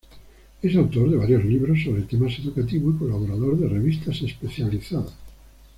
Es autor de varios libros sobre temas educativos y colaborador de revistas especializadas.